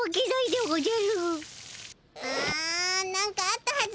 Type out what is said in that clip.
あなんかあったはず。